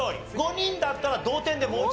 ５人だったら同点でもう１問。